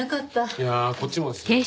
いやあこっちもですよ。